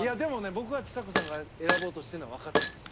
僕はちさ子さんが選ぼうとしてるのはわかってるんですよ。